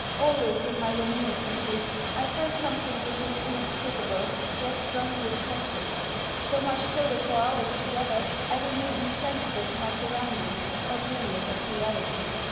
Always in my reminiscences I find something which is inexplicable, yet strongly attractive so much so that for hours together I remain insensible to my surroundings, oblivious of reality.